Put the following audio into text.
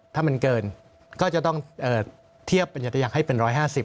ถ้ามันเกินก็จะต้องเทียบปัญจักษ์ให้เป็น๑๕๐